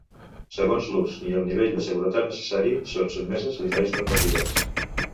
Segons l'ús i el nivell de seguretat necessari, són sotmeses a diferents normatives.